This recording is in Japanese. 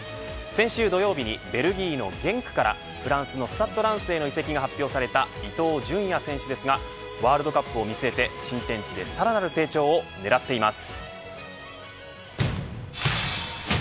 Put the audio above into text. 先週土曜日にベルギーのゲンクからフランスのスタッド・ランスへの移籍が決定した伊東純也選手ですがワールドカップを見据えて新天地でさらなる成長を狙っています。